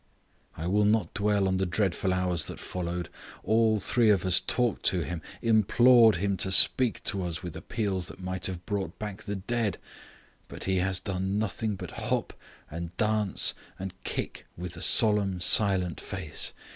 I will not dwell on the dreadful hours that followed. All three of us talked to him, implored him to speak to us with appeals that might have brought back the dead, but he has done nothing but hop and dance and kick with a solemn silent face.